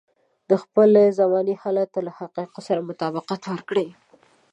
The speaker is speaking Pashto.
د خپلې زمانې حالاتو ته له حقايقو سره مطابقت ورکړي.